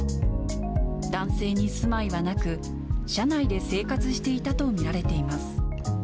男性に住まいはなく、車内で生活していたと見られています。